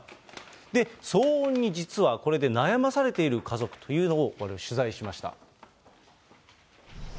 騒音に実はこれで悩まされている家族というのを取材しました。